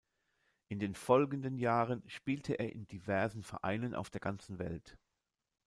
In den folgenden Jahren spielte er in diversen Vereinen auf der ganzen Welt.